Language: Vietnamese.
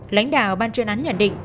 lãnh đạo ban truyền án nhận định